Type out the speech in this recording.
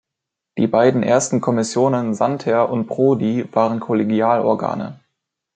Die beiden ersten Kommissionen Santer und Prodi waren Kollegialorgane.